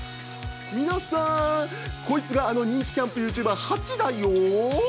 ◆皆さん、こいつがあの人気キャンプユーチューバーハチだよ。